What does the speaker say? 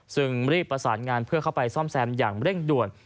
ซึ่งรีบประสานงานเพื่อเข้าไปซ่อมแซมอย่างเร่งด่วน